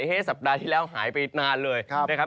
สัปดาห์ที่แล้วหายไปนานเลยนะครับ